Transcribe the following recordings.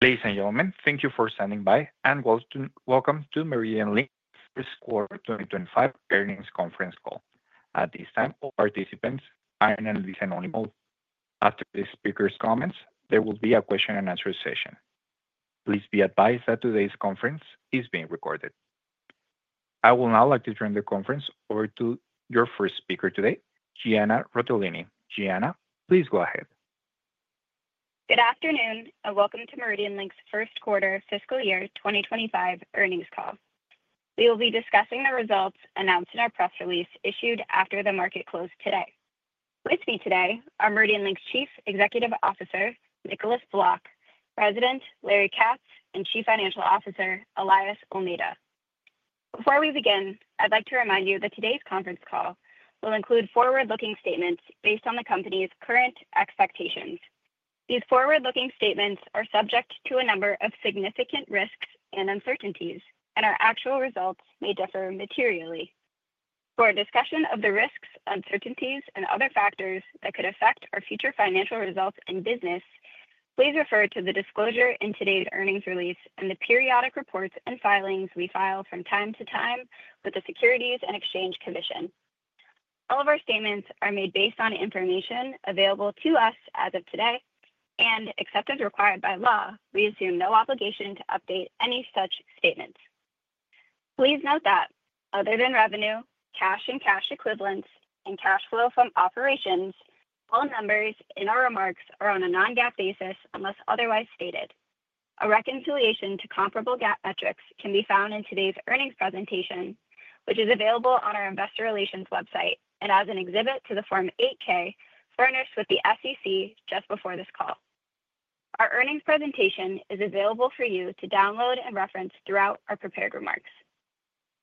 Ladies and gentlemen, thank you for standing by, and welcome to MeridianLink's First Quarter 2025 Earnings Conference Call. At this time, all participants are in an anonymous mode. After the speaker's comments, there will be a question-and-answer session. Please be advised that today's conference is being recorded. I will now like to turn the conference over to your first speaker today, Gianna Rotellini. Gianna, please go ahead. Good afternoon, and welcome to MeridianLink's first quarter fiscal year 2025 earnings call. We will be discussing the results announced in our press release issued after the market closed today. With me today are MeridianLink's Chief Executive Officer, Nicolaas Vlok, President Larry Katz, and Chief Financial Officer, Elias Olmeta. Before we begin, I'd like to remind you that today's conference call will include forward-looking statements based on the company's current expectations. These forward-looking statements are subject to a number of significant risks and uncertainties, and our actual results may differ materially. For discussion of the risks, uncertainties, and other factors that could affect our future financial results and business, please refer to the disclosure in today's earnings release and the periodic reports and filings we file from time to time with the Securities and Exchange Commission. All of our statements are made based on information available to us as of today, and except as required by law, we assume no obligation to update any such statements. Please note that other than revenue, cash and cash equivalents, and cash flow from operations, all numbers in our remarks are on a non-GAAP basis unless otherwise stated. A reconciliation to comparable GAAP metrics can be found in today's earnings presentation, which is available on our investor relations website and as an exhibit to the Form 8-K furnished with the SEC just before this call. Our earnings presentation is available for you to download and reference throughout our prepared remarks.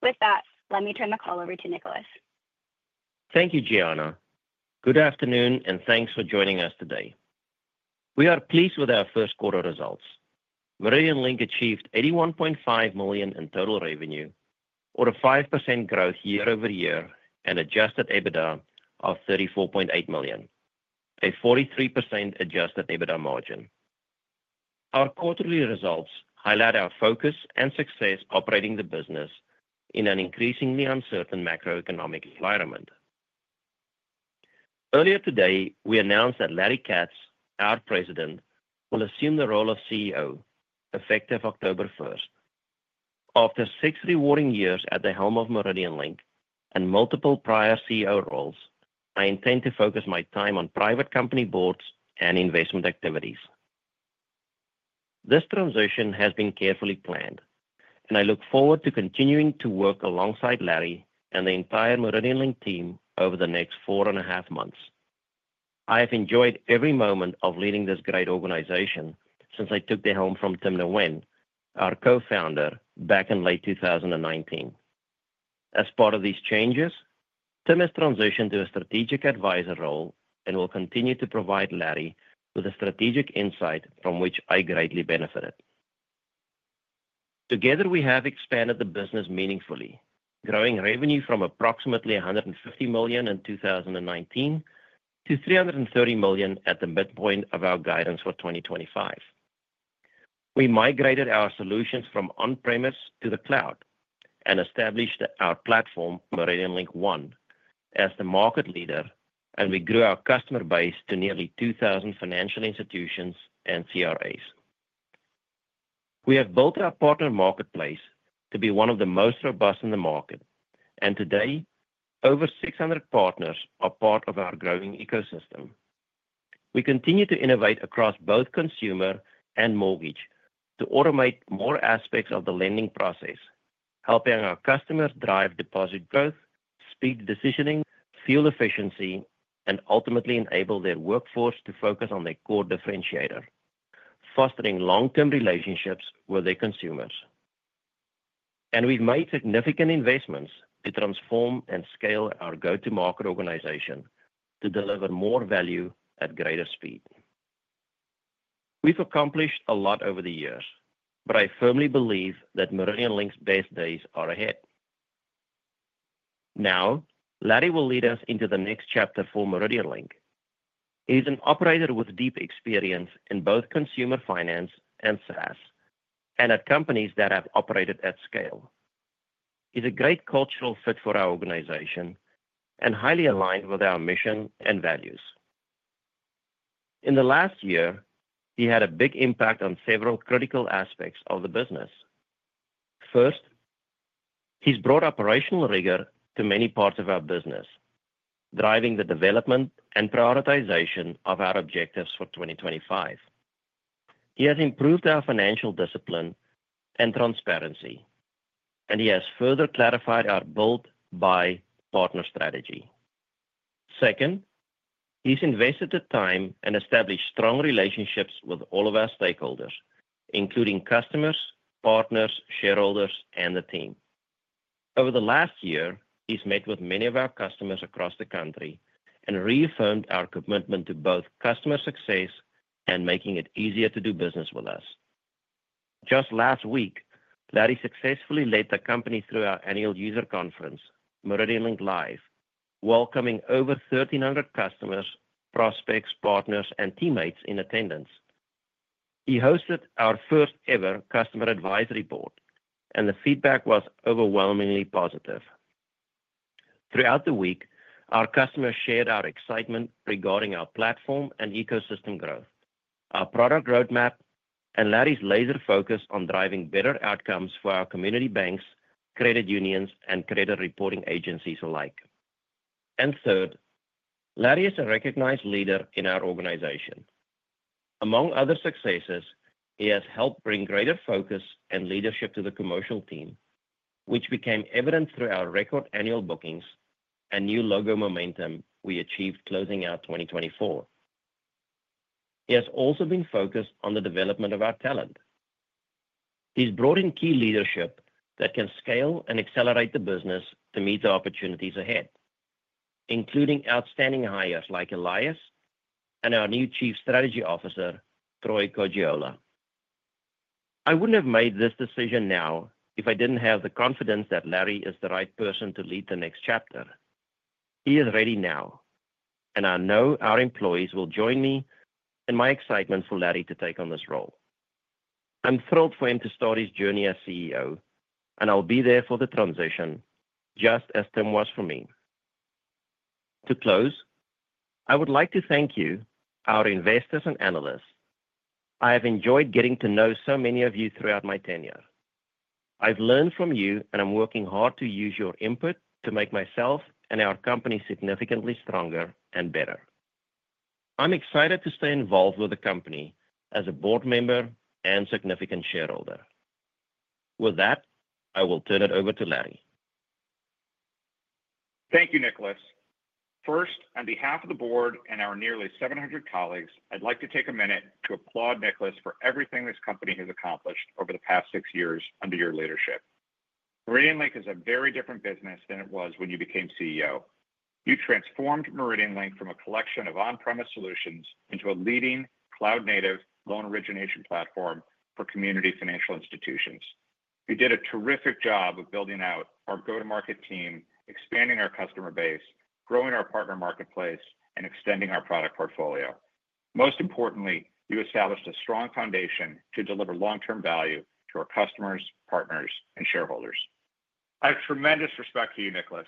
With that, let me turn the call over to Nicolaas. Thank you, Gianna. Good afternoon, and thanks for joining us today. We are pleased with our first quarter results. MeridianLink achieved $81.5 million in total revenue, or a 5% growth year-over-year, and adjusted EBITDA of $34.8 million, a 43% adjusted EBITDA margin. Our quarterly results highlight our focus and success operating the business in an increasingly uncertain macroeconomic environment. Earlier today, we announced that Larry Katz, our President, will assume the role of CEO effective October 1, 2025. After six rewarding years at the helm of MeridianLink and multiple prior CEO roles, I intend to focus my time on private company boards and investment activities. This transition has been carefully planned, and I look forward to continuing to work alongside Larry and the entire MeridianLink team over the next four and a half months. I have enjoyed every moment of leading this great organization since I took the helm from Tim Nguyen, our co-founder, back in late 2019. As part of these changes, Tim has transitioned to a strategic advisor role and will continue to provide Larry with the strategic insight from which I greatly benefited. Together, we have expanded the business meaningfully, growing revenue from approximately $150 million in 2019 to $330 million at the midpoint of our guidance for 2025. We migrated our solutions from on-premise to the cloud and established our platform, MeridianLink One, as the market leader, and we grew our customer base to nearly 2,000 financial institutions and CRAs. We have built our partner marketplace to be one of the most robust in the market, and today, over 600 partners are part of our growing ecosystem. We continue to innovate across both consumer and mortgage to automate more aspects of the lending process, helping our customers drive deposit growth, speed decisioning, fuel efficiency, and ultimately enable their workforce to focus on their core differentiator, fostering long-term relationships with their consumers. We have made significant investments to transform and scale our go-to-market organization to deliver more value at greater speed. We have accomplished a lot over the years, but I firmly believe that MeridianLink's best days are ahead. Now, Larry will lead us into the next chapter for MeridianLink. He is an operator with deep experience in both consumer finance and SaaS, and at companies that have operated at scale. He is a great cultural fit for our organization and highly aligned with our mission and values. In the last year, he had a big impact on several critical aspects of the business. First, he's brought operational rigor to many parts of our business, driving the development and prioritization of our objectives for 2025. He has improved our financial discipline and transparency, and he has further clarified our build-by-partner strategy. Second, he's invested the time and established strong relationships with all of our stakeholders, including customers, partners, shareholders, and the team. Over the last year, he's met with many of our customers across the country and reaffirmed our commitment to both customer success and making it easier to do business with us. Just last week, Larry successfully led the company through our annual user conference, MeridianLink LIVE, welcoming over 1,300 customers, prospects, partners, and teammates in attendance. He hosted our first-ever customer advisory board, and the feedback was overwhelmingly positive. Throughout the week, our customers shared our excitement regarding our platform and ecosystem growth, our product roadmap, and Larry's laser focus on driving better outcomes for our community banks, credit unions, and credit reporting agencies alike. Third, Larry is a recognized leader in our organization. Among other successes, he has helped bring greater focus and leadership to the commercial team, which became evident through our record annual bookings and new logo momentum we achieved closing out 2024. He has also been focused on the development of our talent. He's brought in key leadership that can scale and accelerate the business to meet the opportunities ahead, including outstanding hires like Elias and our new Chief Strategy Officer, Troy Coggiola. I wouldn't have made this decision now if I didn't have the confidence that Larry is the right person to lead the next chapter. He is ready now, and I know our employees will join me in my excitement for Larry to take on this role. I'm thrilled for him to start his journey as CEO, and I'll be there for the transition, just as Tim was for me. To close, I would like to thank you, our investors and analysts. I have enjoyed getting to know so many of you throughout my tenure. I've learned from you, and I'm working hard to use your input to make myself and our company significantly stronger and better. I'm excited to stay involved with the company as a board member and significant shareholder. With that, I will turn it over to Larry. Thank you, Nicolaas. First, on behalf of the board and our nearly 700 colleagues, I'd like to take a minute to applaud Nicolaas for everything this company has accomplished over the past six years under your leadership. MeridianLink is a very different business than it was when you became CEO. You transformed MeridianLink from a collection of on-premise solutions into a leading cloud-native loan origination platform for community financial institutions. You did a terrific job of building out our go-to-market team, expanding our customer base, growing our partner marketplace, and extending our product portfolio. Most importantly, you established a strong foundation to deliver long-term value to our customers, partners, and shareholders. I have tremendous respect for you, Nicolaas,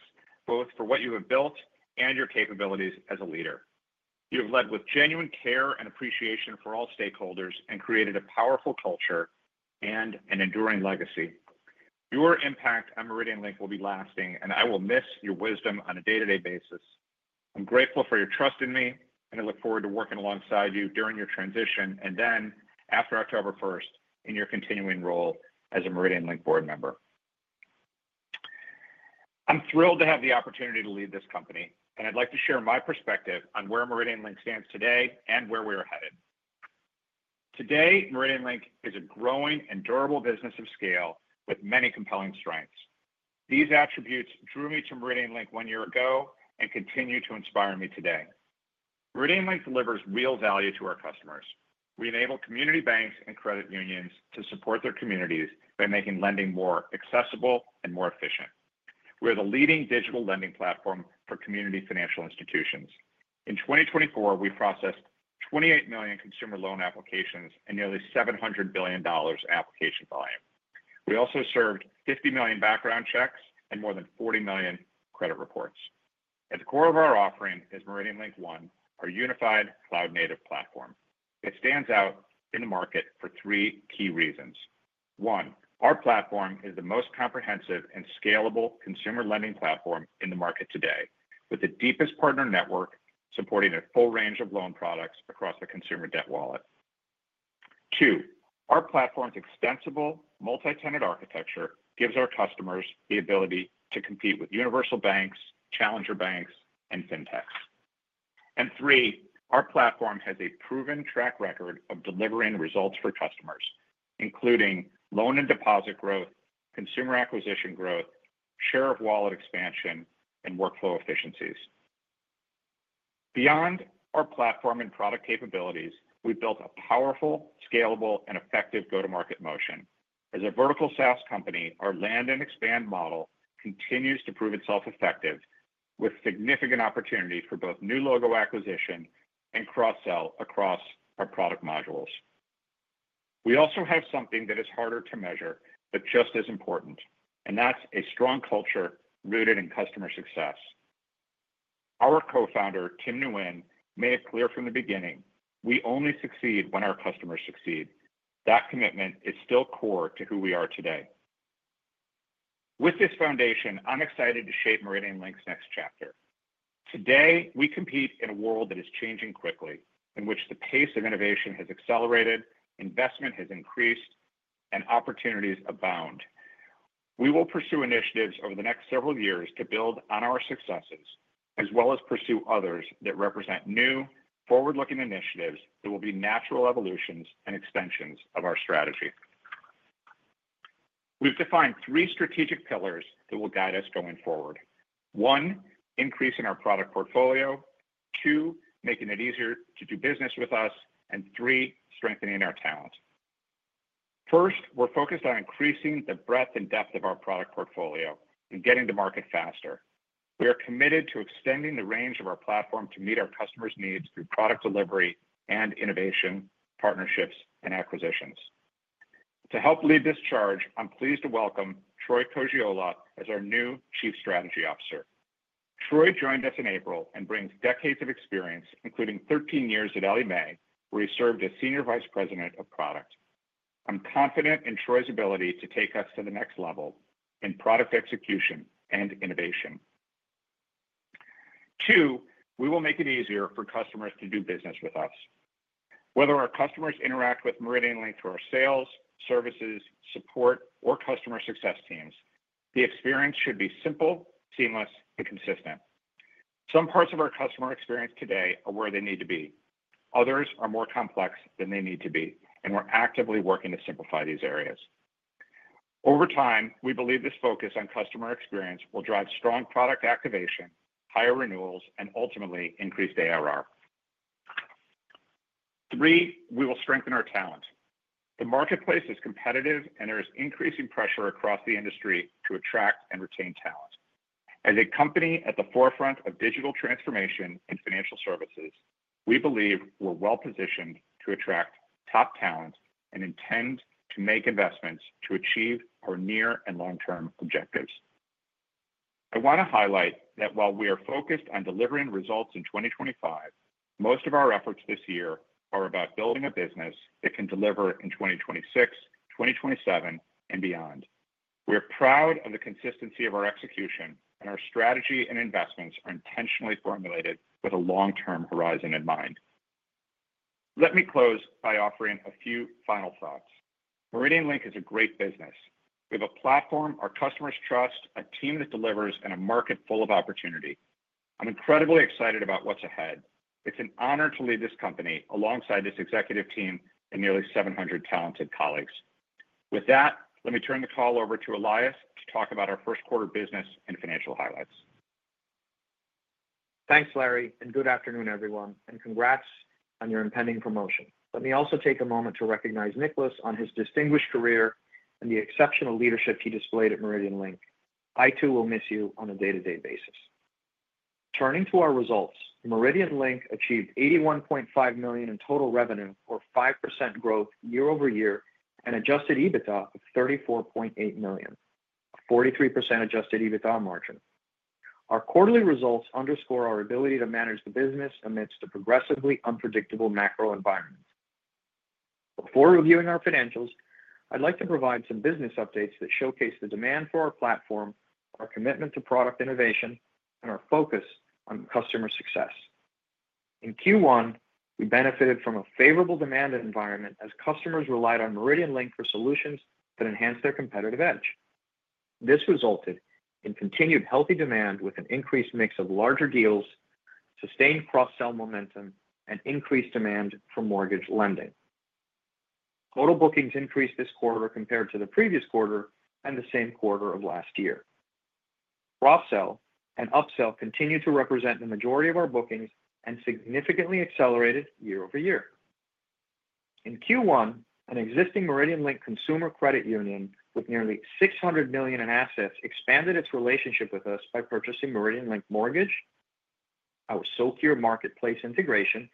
both for what you have built and your capabilities as a leader. You have led with genuine care and appreciation for all stakeholders and created a powerful culture and an enduring legacy. Your impact on MeridianLink will be lasting, and I will miss your wisdom on a day-to-day basis. I'm grateful for your trust in me, and I look forward to working alongside you during your transition and then after October 1 in your continuing role as a MeridianLink board member. I'm thrilled to have the opportunity to lead this company, and I'd like to share my perspective on where MeridianLink stands today and where we are headed. Today, MeridianLink is a growing and durable business of scale with many compelling strengths. These attributes drew me to MeridianLink one year ago and continue to inspire me today. MeridianLink delivers real value to our customers. We enable community banks and credit unions to support their communities by making lending more accessible and more efficient. We are the leading digital lending platform for community financial institutions. In 2024, we processed 28 million consumer loan applications and nearly $700 billion application volume. We also served 50 million background checks and more than 40 million credit reports. At the core of our offering is MeridianLink One, our unified cloud-native platform. It stands out in the market for three key reasons. One, our platform is the most comprehensive and scalable consumer lending platform in the market today, with the deepest partner network supporting a full range of loan products across the consumer debt wallet. Two, our platform's extensible multi-tenant architecture gives our customers the ability to compete with universal banks, challenger banks, and fintechs. Three, our platform has a proven track record of delivering results for customers, including loan and deposit growth, consumer acquisition growth, share of wallet expansion, and workflow efficiencies. Beyond our platform and product capabilities, we've built a powerful, scalable, and effective go-to-market motion. As a vertical SaaS company, our land and expand model continues to prove itself effective, with significant opportunities for both new logo acquisition and cross-sell across our product modules. We also have something that is harder to measure, but just as important, and that's a strong culture rooted in customer success. Our co-founder, Tim Nguyen, made it clear from the beginning, "We only succeed when our customers succeed." That commitment is still core to who we are today. With this foundation, I'm excited to shape MeridianLink's next chapter. Today, we compete in a world that is changing quickly, in which the pace of innovation has accelerated, investment has increased, and opportunities abound. We will pursue initiatives over the next several years to build on our successes, as well as pursue others that represent new, forward-looking initiatives that will be natural evolutions and extensions of our strategy. We've defined three strategic pillars that will guide us going forward. One, increasing our product portfolio. Two, making it easier to do business with us. Three, strengthening our talent. First, we're focused on increasing the breadth and depth of our product portfolio and getting to market faster. We are committed to extending the range of our platform to meet our customers' needs through product delivery and innovation, partnerships, and acquisitions. To help lead this charge, I'm pleased to welcome Troy Coggiola as our new Chief Strategy Officer. Troy joined us in April and brings decades of experience, including 13 years at Ellie Mae, where he served as Senior Vice President of Product. I'm confident in Troy's ability to take us to the next level in product execution and innovation. Two, we will make it easier for customers to do business with us. Whether our customers interact with MeridianLink through our sales, services, support, or customer success teams, the experience should be simple, seamless, and consistent. Some parts of our customer experience today are where they need to be. Others are more complex than they need to be, and we're actively working to simplify these areas. Over time, we believe this focus on customer experience will drive strong product activation, higher renewals, and ultimately increased ARR. Three, we will strengthen our talent. The marketplace is competitive, and there is increasing pressure across the industry to attract and retain talent. As a company at the forefront of digital transformation and financial services, we believe we're well-positioned to attract top talent and intend to make investments to achieve our near and long-term objectives. I want to highlight that while we are focused on delivering results in 2025, most of our efforts this year are about building a business that can deliver in 2026, 2027, and beyond. We are proud of the consistency of our execution, and our strategy and investments are intentionally formulated with a long-term horizon in mind. Let me close by offering a few final thoughts. MeridianLink is a great business. We have a platform our customers trust, a team that delivers, and a market full of opportunity. I'm incredibly excited about what's ahead. It's an honor to lead this company alongside this executive team and nearly 700 talented colleagues. With that, let me turn the call over to Elias to talk about our first quarter business and financial highlights. Thanks, Larry, and good afternoon, everyone, and congrats on your impending promotion. Let me also take a moment to recognize Nicolaas on his distinguished career and the exceptional leadership he displayed at MeridianLink. I, too, will miss you on a day-to-day basis. Turning to our results, MeridianLink achieved $81.5 million in total revenue, or 5% growth year-over-year, and adjusted EBITDA of $34.8 million, a 43% adjusted EBITDA margin. Our quarterly results underscore our ability to manage the business amidst a progressively unpredictable macro environment. Before reviewing our financials, I'd like to provide some business updates that showcase the demand for our platform, our commitment to product innovation, and our focus on customer success. In Q1, we benefited from a favorable demand environment as customers relied on MeridianLink for solutions that enhanced their competitive edge. This resulted in continued healthy demand with an increased mix of larger deals, sustained cross-sell momentum, and increased demand for mortgage lending. Total bookings increased this quarter compared to the previous quarter and the same quarter of last year. Cross-sell and upsell continued to represent the majority of our bookings and significantly accelerated year-over-year. In Q1, an existing MeridianLink consumer credit union with nearly $600 million in assets expanded its relationship with us by purchasing MeridianLink Mortgage, our Socure marketplace integration,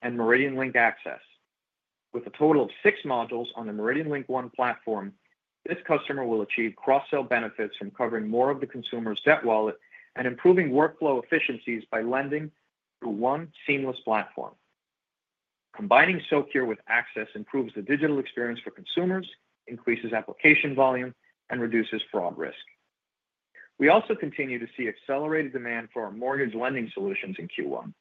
and MeridianLink Access. With a total of six modules on the MeridianLink One platform, this customer will achieve cross-sell benefits from covering more of the consumer's debt wallet and improving workflow efficiencies by lending through one seamless platform. Combining Socure with Access improves the digital experience for consumers, increases application volume, and reduces fraud risk. We also continue to see accelerated demand for our mortgage lending solutions in Q1.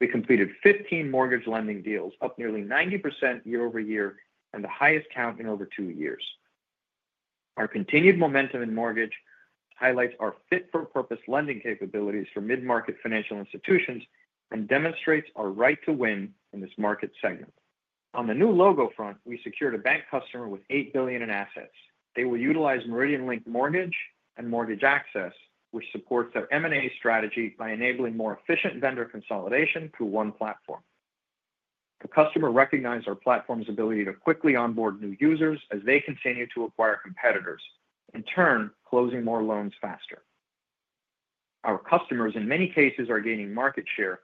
We completed 15 mortgage lending deals, up nearly 90% year-over-year, and the highest count in over two years. Our continued momentum in mortgage highlights our fit-for-purpose lending capabilities for mid-market financial institutions and demonstrates our right to win in this market segment. On the new logo front, we secured a bank customer with $8 billion in assets. They will utilize MeridianLink Mortgage and MeridianLink Access, which supports our M&A strategy by enabling more efficient vendor consolidation through one platform. The customer recognized our platform's ability to quickly onboard new users as they continue to acquire competitors, in turn closing more loans faster. Our customers, in many cases, are gaining market share,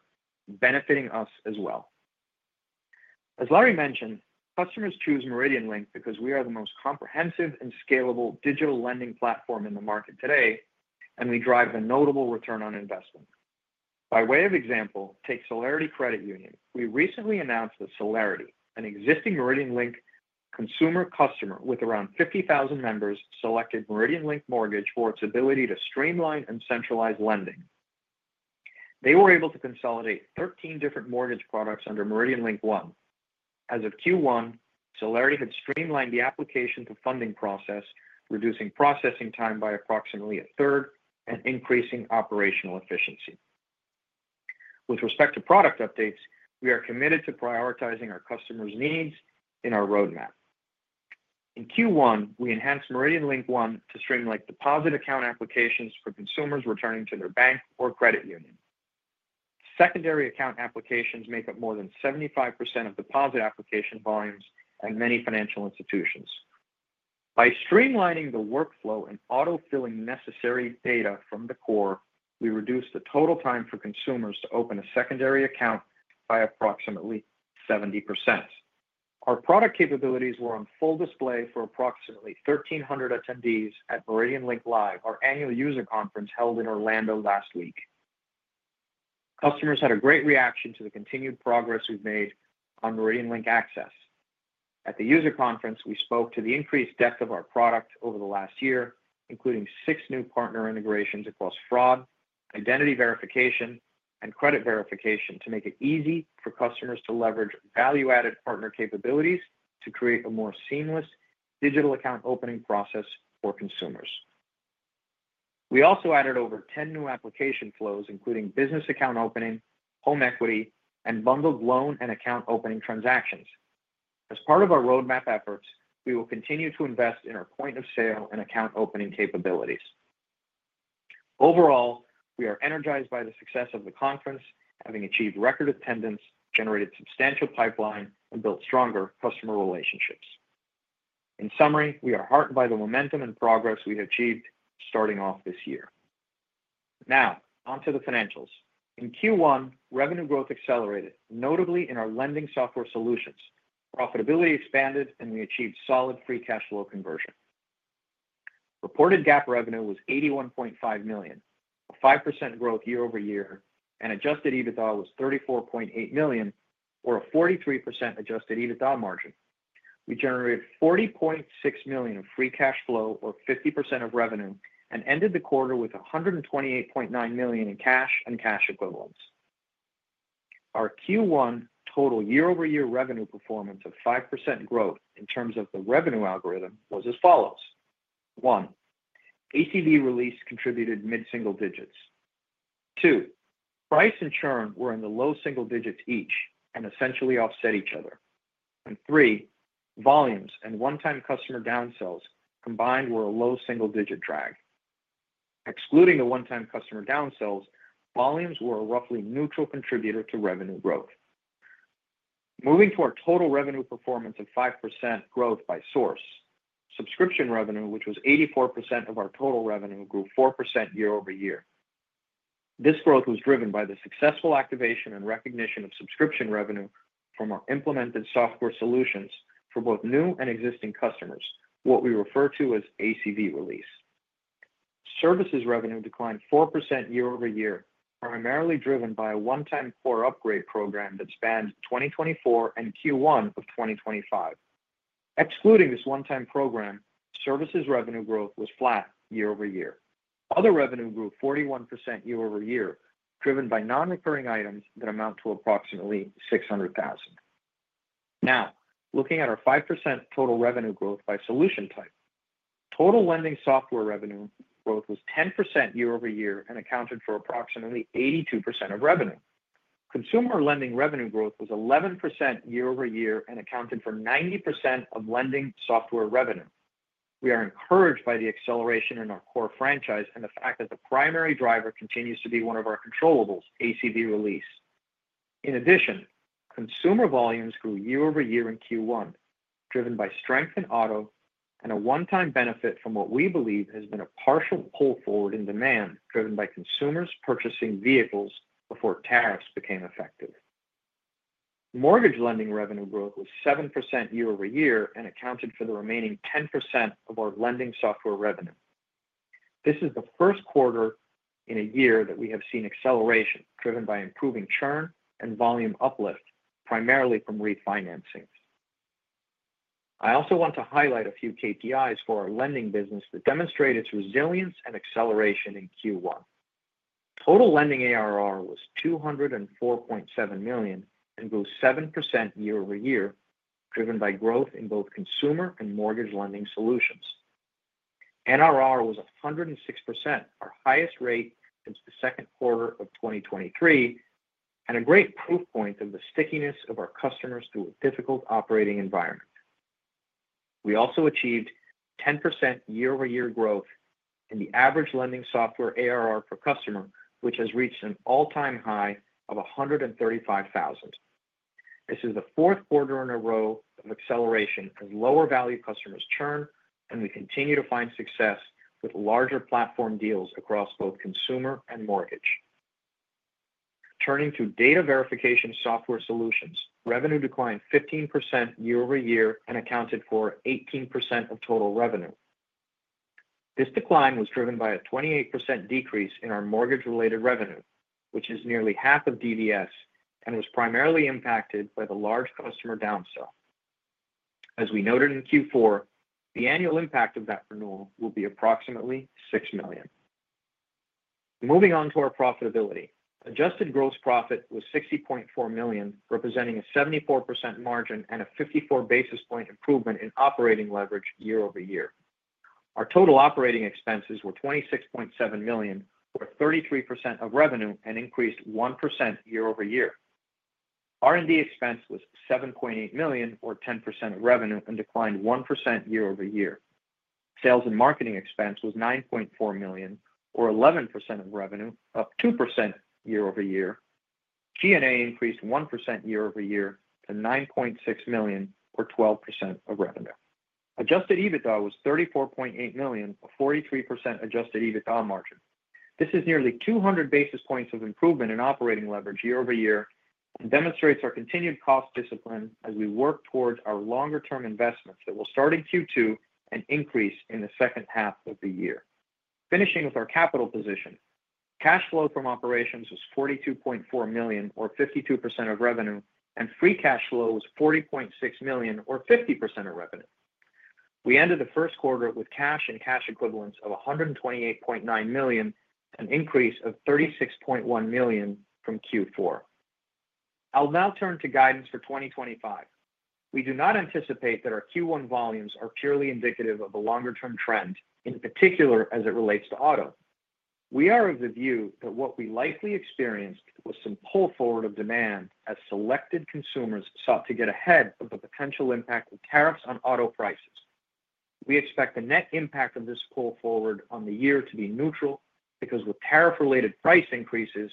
benefiting us as well. As Larry mentioned, customers choose MeridianLink because we are the most comprehensive and scalable digital lending platform in the market today, and we drive a notable return on investment. By way of example, take Solarity Credit Union. We recently announced that Solarity, an existing MeridianLink consumer customer with around 50,000 members, selected MeridianLink Mortgage for its ability to streamline and centralize lending. They were able to consolidate 13 different mortgage products under MeridianLink One. As of Q1, Solarity had streamlined the application to funding process, reducing processing time by approximately a third and increasing operational efficiency. With respect to product updates, we are committed to prioritizing our customers' needs in our roadmap. In Q1, we enhanced MeridianLink One to streamline deposit account applications for consumers returning to their bank or credit union. Secondary account applications make up more than 75% of deposit application volumes at many financial institutions. By streamlining the workflow and autofilling necessary data from the core, we reduced the total time for consumers to open a secondary account by approximately 70%. Our product capabilities were on full display for approximately 1,300 attendees at MeridianLink LIVE, our annual user conference held in Orlando last week. Customers had a great reaction to the continued progress we've made on MeridianLink Access. At the user conference, we spoke to the increased depth of our product over the last year, including six new partner integrations across fraud, identity verification, and credit verification to make it easy for customers to leverage value-added partner capabilities to create a more seamless digital account opening process for consumers. We also added over 10 new application flows, including business account opening, home equity, and bundled loan and account opening transactions. As part of our roadmap efforts, we will continue to invest in our point of sale and account opening capabilities. Overall, we are energized by the success of the conference, having achieved record attendance, generated substantial pipeline, and built stronger customer relationships. In summary, we are heartened by the momentum and progress we have achieved starting off this year. Now, on to the financials. In Q1, revenue growth accelerated, notably in our lending software solutions. Profitability expanded, and we achieved solid free cash flow conversion. Reported GAAP revenue was $81.5 million, a 5% growth year-over-year, and adjusted EBITDA was $34.8 million, or a 43% adjusted EBITDA margin. We generated $40.6 million of free cash flow, or 50% of revenue, and ended the quarter with $128.9 million in cash and cash equivalents. Our Q1 total year-over-year revenue performance of 5% growth in terms of the revenue algorithm was as follows. One, ACV release contributed mid-single digits. Two, price and churn were in the low single digits each and essentially offset each other. Three, volumes and one-time customer downsells combined were a low single-digit drag. Excluding the one-time customer downsells, volumes were a roughly neutral contributor to revenue growth. Moving to our total revenue performance of 5% growth by source, subscription revenue, which was 84% of our total revenue, grew 4% year-over-year. This growth was driven by the successful activation and recognition of subscription revenue from our implemented software solutions for both new and existing customers, what we refer to as ACV release. Services revenue declined 4% year-over-year, primarily driven by a one-time core upgrade program that spanned 2024 and Q1 of 2025. Excluding this one-time program, services revenue growth was flat year-over-year. Other revenue grew 41% year -over-year, driven by non-recurring items that amount to approximately $600,000. Now, looking at our 5% total revenue growth by solution type, total lending software revenue growth was 10% year-over-year and accounted for approximately 82% of revenue. Consumer lending revenue growth was 11% year-over-year and accounted for 90% of lending software revenue. We are encouraged by the acceleration in our core franchise and the fact that the primary driver continues to be one of our controllables, ACV release. In addition, consumer volumes grew year-over-year in Q1, driven by strength in auto and a one-time benefit from what we believe has been a partial pull forward in demand driven by consumers purchasing vehicles before tariffs became effective. Mortgage lending revenue growth was 7% year-over-year and accounted for the remaining 10% of our lending software revenue. This is the first quarter in a year that we have seen acceleration driven by improving churn and volume uplift, primarily from refinancing. I also want to highlight a few KPIs for our lending business that demonstrate its resilience and acceleration in Q1. Total lending ARR was $204.7 million and grew 7% year-over-year, driven by growth in both consumer and mortgage lending solutions. NRR was 106%, our highest rate since the second quarter of 2023, and a great proof point of the stickiness of our customers through a difficult operating environment. We also achieved 10% year-over-year growth in the average lending software ARR per customer, which has reached an all-time high of $135,000. This is the fourth quarter in a row of acceleration as lower-value customers churn, and we continue to find success with larger platform deals across both consumer and mortgage. Turning to data verification software solutions, revenue declined 15% year-over-year and accounted for 18% of total revenue. This decline was driven by a 28% decrease in our mortgage-related revenue, which is nearly half of DVS, and was primarily impacted by the large customer downsell. As we noted in Q4, the annual impact of that renewal will be approximately $6 million. Moving on to our profitability, adjusted gross profit was $60.4 million, representing a 74% margin and a 54 basis point improvement in operating leverage year-over-year. Our total operating expenses were $26.7 million, or 33% of revenue, and increased 1% year-over-year. R&D expense was $7.8 million, or 10% of revenue, and declined 1% year-over-year. Sales and marketing expense was $9.4 million, or 11% of revenue, up 2% year-over-year. G&A increased 1% year-over-year to $9.6 million, or 12% of revenue. Adjusted EBITDA was $34.8 million, a 43% adjusted EBITDA margin. This is nearly 200 basis points of improvement in operating leverage year-over-year and demonstrates our continued cost discipline as we work towards our longer-term investments that will start in Q2 and increase in the second half of the year. Finishing with our capital position, cash flow from operations was $42.4 million, or 52% of revenue, and free cash flow was $40.6 million, or 50% of revenue. We ended the first quarter with cash and cash equivalents of $128.9 million, an increase of $36.1 million from Q4. I'll now turn to guidance for 2025. We do not anticipate that our Q1 volumes are purely indicative of a longer-term trend, in particular as it relates to auto. We are of the view that what we likely experienced was some pull forward of demand as selected consumers sought to get ahead of the potential impact of tariffs on auto prices. We expect the net impact of this pull forward on the year to be neutral because with tariff-related price increases,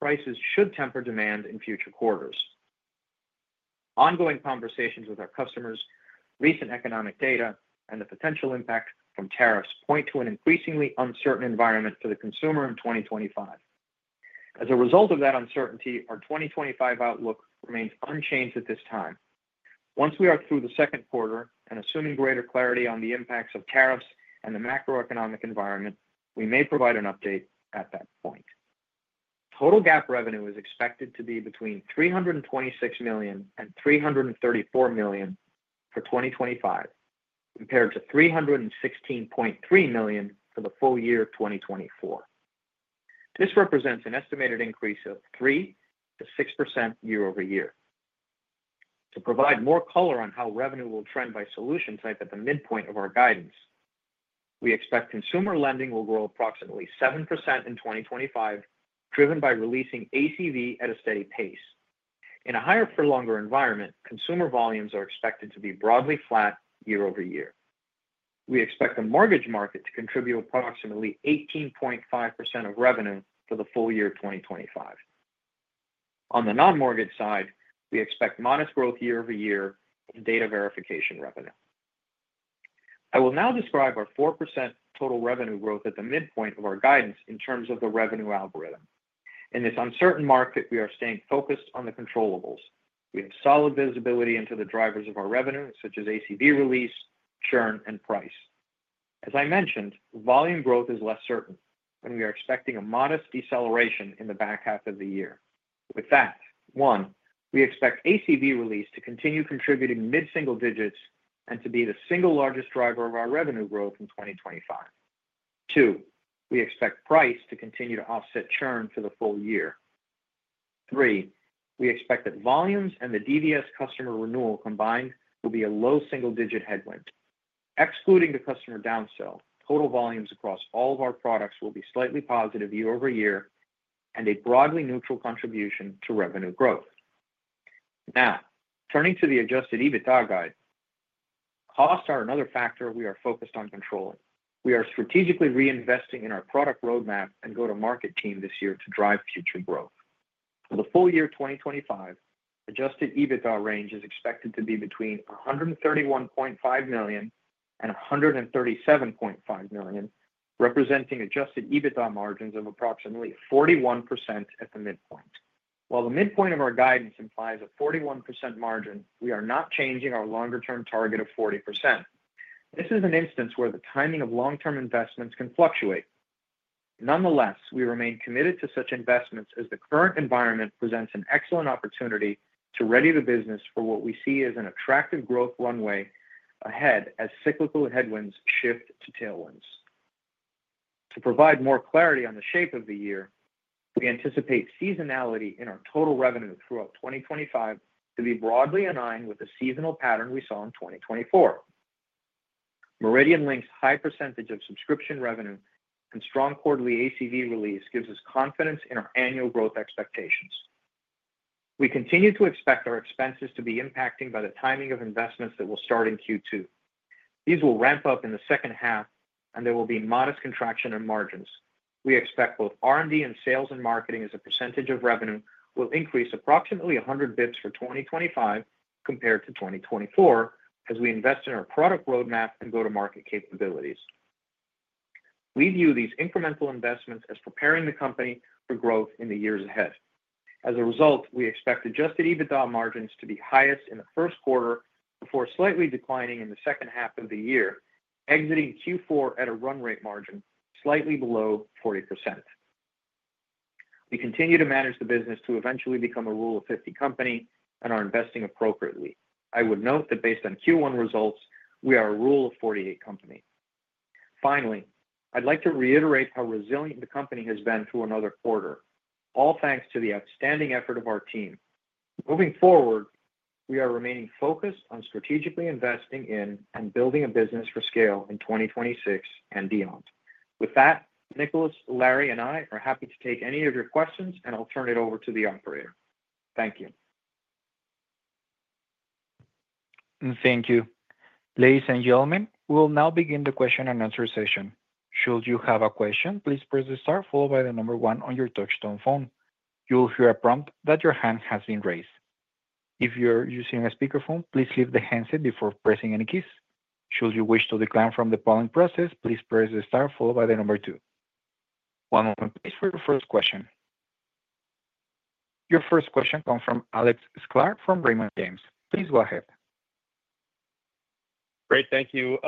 prices should temper demand in future quarters. Ongoing conversations with our customers, recent economic data, and the potential impact from tariffs point to an increasingly uncertain environment for the consumer in 2025. As a result of that uncertainty, our 2025 outlook remains unchanged at this time. Once we are through the second quarter and assuming greater clarity on the impacts of tariffs and the macroeconomic environment, we may provide an update at that point. Total GAAP revenue is expected to be between $326 million and $334 million for 2025, compared to $316.3 million for the full year 2024. This represents an estimated increase of 3%-6% year-over-year. To provide more color on how revenue will trend by solution type at the midpoint of our guidance, we expect consumer lending will grow approximately 7% in 2025, driven by releasing ACV at a steady pace. In a higher-for-longer environment, consumer volumes are expected to be broadly flat year-over-year. We expect the mortgage market to contribute approximately 18.5% of revenue for the full year 2025. On the non-mortgage side, we expect modest growth year-over-year in data verification revenue. I will now describe our 4% total revenue growth at the midpoint of our guidance in terms of the revenue algorithm. In this uncertain market, we are staying focused on the controllables. We have solid visibility into the drivers of our revenue, such as ACV release, churn, and price. As I mentioned, volume growth is less certain, and we are expecting a modest deceleration in the back half of the year. With that, one, we expect ACV release to continue contributing mid-single digits and to be the single largest driver of our revenue growth in 2025. Two, we expect price to continue to offset churn for the full year. Three, we expect that volumes and the DVS customer renewal combined will be a low single-digit headwind. Excluding the customer downsell, total volumes across all of our products will be slightly positive year-over-year and a broadly neutral contribution to revenue growth. Now, turning to the adjusted EBITDA guide, costs are another factor we are focused on controlling. We are strategically reinvesting in our product roadmap and go-to-market team this year to drive future growth. For the full year 2025, adjusted EBITDA range is expected to be between $131.5 million and $137.5 million, representing adjusted EBITDA margins of approximately 41% at the midpoint. While the midpoint of our guidance implies a 41% margin, we are not changing our longer-term target of 40%. This is an instance where the timing of long-term investments can fluctuate. Nonetheless, we remain committed to such investments as the current environment presents an excellent opportunity to ready the business for what we see as an attractive growth runway ahead as cyclical headwinds shift to tailwinds. To provide more clarity on the shape of the year, we anticipate seasonality in our total revenue throughout 2025 to be broadly in line with the seasonal pattern we saw in 2024. MeridianLink's high percentage of subscription revenue and strong quarterly ACV release gives us confidence in our annual growth expectations. We continue to expect our expenses to be impacted by the timing of investments that will start in Q2. These will ramp up in the second half, and there will be modest contraction in margins. We expect both R&D and sales and marketing as a percentage of revenue will increase approximately 100 basis points for 2025 compared to 2024 as we invest in our product roadmap and go-to-market capabilities. We view these incremental investments as preparing the company for growth in the years ahead. As a result, we expect adjusted EBITDA margins to be highest in the first quarter before slightly declining in the second half of the year, exiting Q4 at a run rate margin slightly below 40%. We continue to manage the business to eventually become a Rule of 50 company and are investing appropriately. I would note that based on Q1 results, we are a Rule of 48 company. Finally, I'd like to reiterate how resilient the company has been through another quarter, all thanks to the outstanding effort of our team. Moving forward, we are remaining focused on strategically investing in and building a business for scale in 2026 and beyond. With that, Nicolaas, Larry, and I are happy to take any of your questions, and I'll turn it over to the operator. Thank you. Thank you. Ladies and gentlemen, we will now begin the Q&A session. Should you have a question, please press the star followed by the number one on your touch-tone phone. You will hear a prompt that your hand has been raised. If you're using a speakerphone, please leave the handset before pressing any keys. Should you wish to decline from the following process, please press the star followed by the number two. One moment, please, for your first question. Your first question comes from Alex Sklar from Raymond James. Please go ahead. Great. Thank you.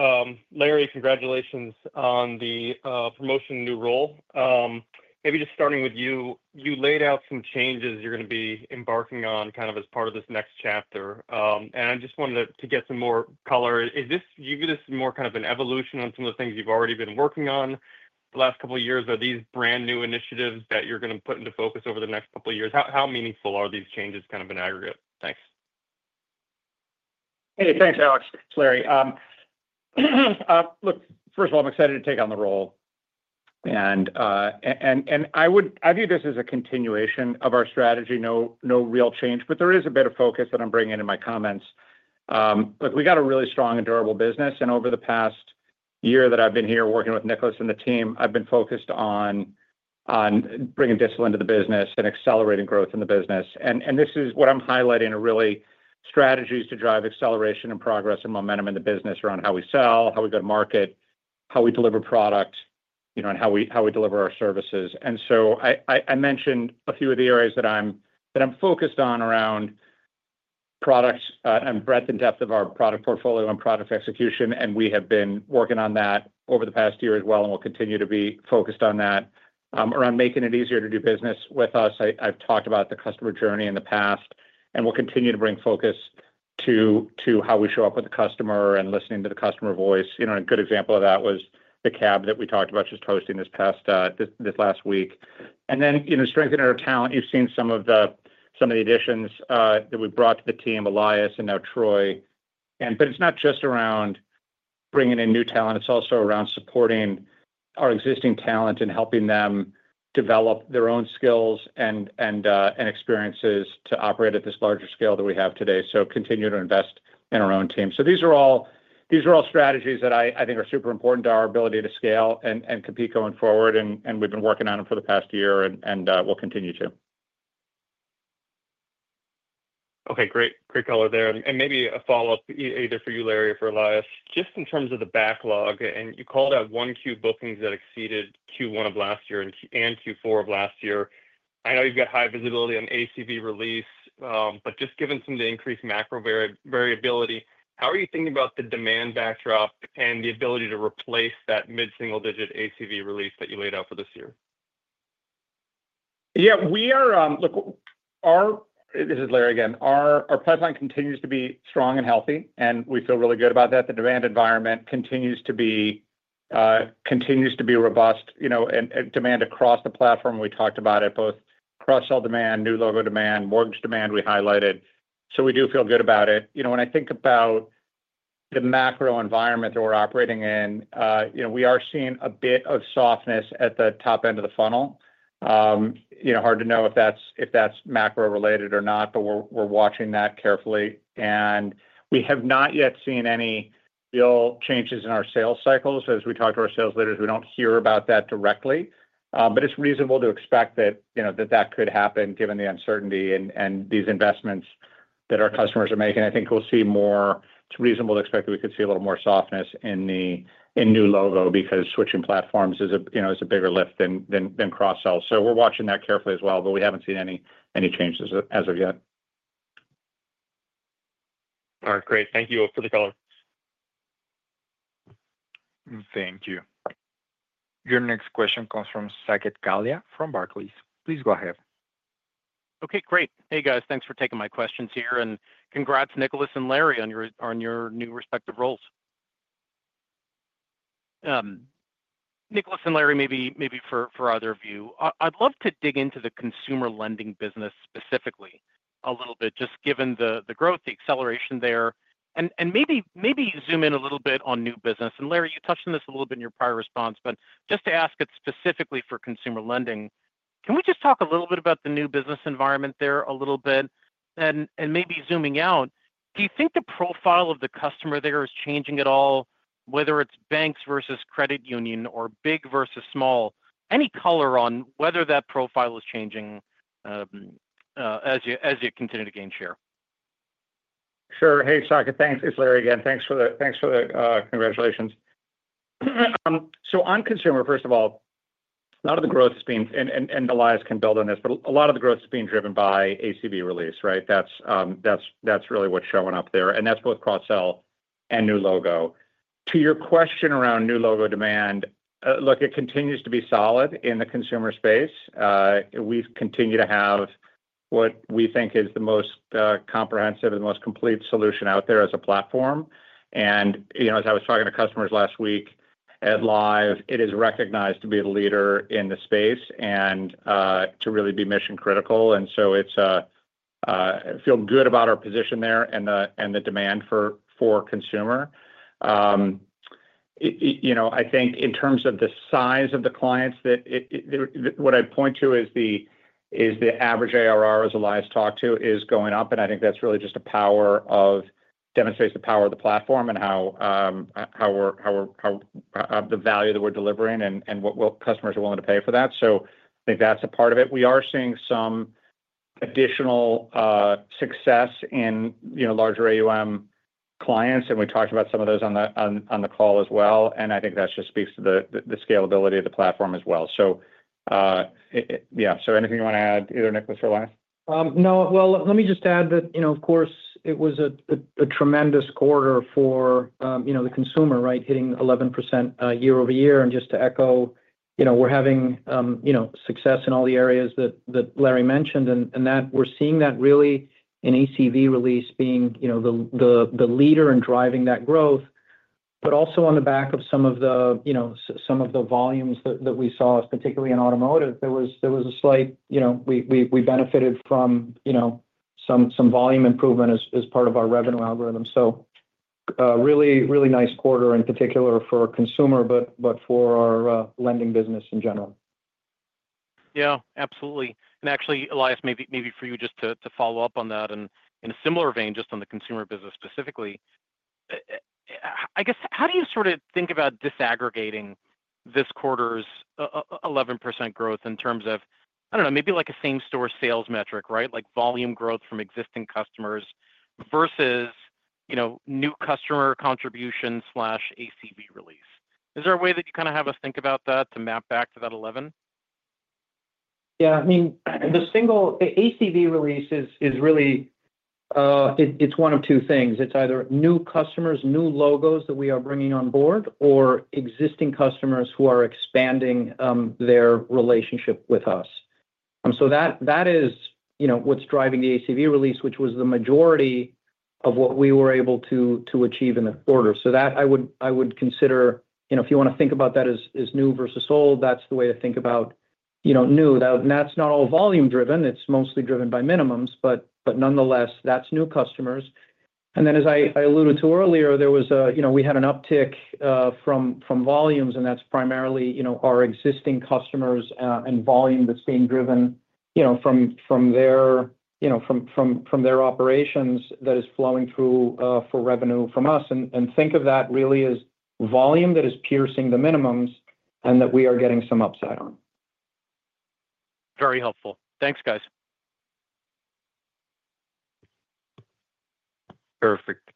Larry, congratulations on the promotion and new role. Maybe just starting with you, you laid out some changes you're going to be embarking on kind of as part of this next chapter. I just wanted to get some more color. Do you give this more kind of an evolution on some of the things you've already been working on the last couple of years? Are these brand new initiatives that you're going to put into focus over the next couple of years? How meaningful are these changes kind of in aggregate? Thanks. Hey, thanks, Alex. It's Larry. Look, first of all, I'm excited to take on the role. I view this as a continuation of our strategy, no real change, but there is a bit of focus that I'm bringing in my comments. Look, we've got a really strong and durable business. Over the past year that I've been here working with Nicolaas and the team, I've been focused on bringing discipline to the business and accelerating growth in the business. What I'm highlighting are really strategies to drive acceleration and progress and momentum in the business around how we sell, how we go to market, how we deliver product, and how we deliver our services. I mentioned a few of the areas that I'm focused on around product and breadth and depth of our product portfolio and product execution. We have been working on that over the past year as well and will continue to be focused on that around making it easier to do business with us. I have talked about the customer journey in the past, and we will continue to bring focus to how we show up with the customer and listening to the customer voice. A good example of that was the CAB that we talked about just hosting this past week. Then strengthening our talent. You have seen some of the additions that we have brought to the team, Elias and now Troy. It is not just around bringing in new talent. It is also around supporting our existing talent and helping them develop their own skills and experiences to operate at this larger scale that we have today. We continue to invest in our own team. These are all strategies that I think are super important to our ability to scale and compete going forward. We have been working on them for the past year, and we will continue to. Okay. Great. Great color there. Maybe a follow-up either for you, Larry, or for Elias. Just in terms of the backlog, and you called out Q1 bookings that exceeded Q1 of last year and Q4 of last year. I know you have high visibility on ACV release, but just given some of the increased macro variability, how are you thinking about the demand backdrop and the ability to replace that mid-single digit ACV release that you laid out for this year? Yeah. Look, this is Larry again. Our pipeline continues to be strong and healthy, and we feel really good about that. The demand environment continues to be robust. Demand across the platform, we talked about it, both cross-sell demand, new logo demand, mortgage demand we highlighted. We do feel good about it. When I think about the macro environment that we're operating in, we are seeing a bit of softness at the top end of the funnel. Hard to know if that's macro-related or not, but we're watching that carefully. We have not yet seen any real changes in our sales cycles. As we talk to our sales leaders, we don't hear about that directly. It is reasonable to expect that that could happen given the uncertainty and these investments that our customers are making. I think we'll see more, it's reasonable to expect that we could see a little more softness in new logo because switching platforms is a bigger lift than cross-sell. We're watching that carefully as well, but we haven't seen any changes as of yet. All right. Great. Thank you for the color. Thank you. Your next question comes from Sagat Kalya from Barclays. Please go ahead. Okay. Great. Hey, guys. Thanks for taking my questions here. And congrats, Nicolaas and Larry, on your new respective roles. Nicolaas and Larry, maybe for either of you, I'd love to dig into the consumer lending business specifically a little bit, just given the growth, the acceleration there, and maybe zoom in a little bit on new business. And Larry, you touched on this a little bit in your prior response, but just to ask it specifically for consumer lending, can we just talk a little bit about the new business environment there a little bit? Maybe zooming out, do you think the profile of the customer there is changing at all, whether it's banks versus credit union or big versus small? Any color on whether that profile is changing as you continue to gain share? Sure. Hey, Sagat, thanks. It's Larry again. Thanks for the congratulations. On consumer, first of all, a lot of the growth has been—and Elias can build on this—a lot of the growth has been driven by ACV release, right? That's really what's showing up there. That's both cross-sell and new logo. To your question around new logo demand, look, it continues to be solid in the consumer space. We continue to have what we think is the most comprehensive and the most complete solution out there as a platform. As I was talking to customers last week at LIVE, it is recognized to be a leader in the space and to really be mission-critical. I feel good about our position there and the demand for consumer. I think in terms of the size of the clients, what I point to is the average ARR, as Elias talked to, is going up. I think that really just demonstrates the power of the platform and the value that we are delivering and what customers are willing to pay for that. I think that is a part of it. We are seeing some additional success in larger AUM clients. We talked about some of those on the call as well. I think that just speaks to the scalability of the platform as well. Yeah. Anything you want to add, either Nicolaas or Elias? No. Let me just add that, of course, it was a tremendous quarter for the consumer, right, hitting 11% year-over-year. Just to echo, we're having success in all the areas that Larry mentioned and we're seeing that really in ACV release being the leader in driving that growth. Also, on the back of some of the volumes that we saw, particularly in automotive, there was a slight—we benefited from some volume improvement as part of our revenue algorithm. Really nice quarter in particular for consumer, but for our lending business in general. Yeah. Absolutely. Actually, Elias, maybe for you just to follow up on that in a similar vein, just on the consumer business specifically, I guess, how do you sort of think about disaggregating this quarter's 11% growth in terms of, I do not know, maybe like a same-store sales metric, right, like volume growth from existing customers versus new customer contribution/ACV release? Is there a way that you kind of have us think about that to map back to that 11? Yeah. I mean, the single ACV release is really, it is one of two things. It is either new customers, new logos that we are bringing on board, or existing customers who are expanding their relationship with us. That is what is driving the ACV release, which was the majority of what we were able to achieve in the quarter. That I would consider—if you want to think about that as new versus old, that's the way to think about new. That's not all volume-driven. It's mostly driven by minimums. Nonetheless, that's new customers. As I alluded to earlier, we had an uptick from volumes, and that's primarily our existing customers and volume that's being driven from their operations that is flowing through for revenue from us. Think of that really as volume that is piercing the minimums and that we are getting some upside on. Very helpful. Thanks, guys. Perfect.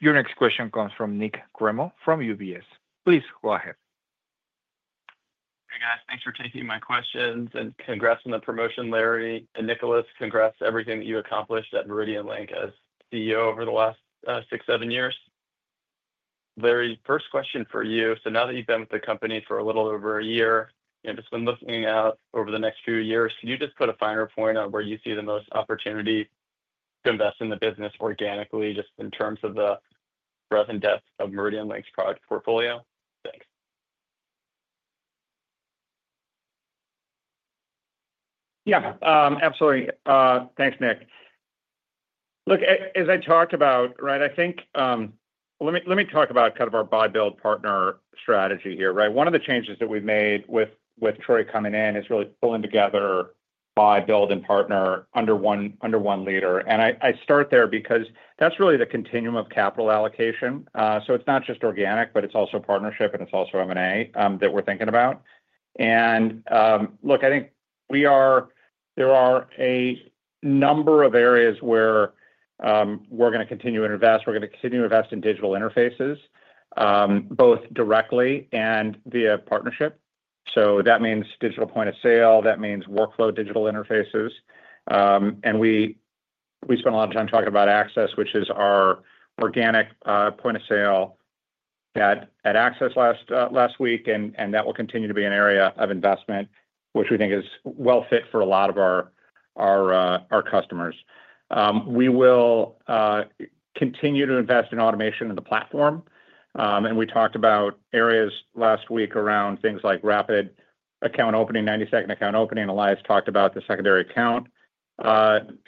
Your next question comes from Nick Cremel from UBS. Please go ahead. Hey, guys. Thanks for taking my questions. Congrats on the promotion, Larry. Nicolaas, congrats on everything that you accomplished at MeridianLink as CEO over the last six, seven years. Larry, first question for you. Now that you've been with the company for a little over a year, just looking out over the next few years, can you just put a finer point on where you see the most opportunity to invest in the business organically, just in terms of the breadth and depth of MeridianLink's product portfolio? Thanks. Yeah. Absolutely. Thanks, Nick. Look, as I talked about, right, I think—let me talk about kind of our buy-build partner strategy here, right? One of the changes that we've made with Troy coming in is really pulling together buy-build and partner under one leader. I start there because that's really the continuum of capital allocation. It's not just organic, but it's also partnership, and it's also M&A that we're thinking about. Look, I think there are a number of areas where we're going to continue to invest. We're going to continue to invest in digital interfaces, both directly and via partnership. That means digital point of sale. That means workflow digital interfaces. We spent a lot of time talking about Access, which is our organic point of sale at Access last week. That will continue to be an area of investment, which we think is well-fit for a lot of our customers. We will continue to invest in automation of the platform. We talked about areas last week around things like rapid account opening, 90-second account opening. Elias talked about the secondary account.